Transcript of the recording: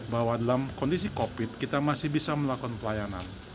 bahwa dalam kondisi covid kita masih bisa melakukan pelayanan